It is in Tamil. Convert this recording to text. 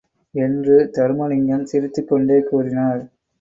என்று தருமலிங்கம் சிரித்துக்கொண்டே கூறினார்.